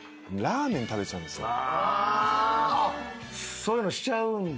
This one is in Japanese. そういうのしちゃうんだ？